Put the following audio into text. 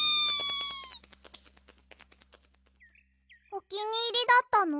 おきにいりだったの？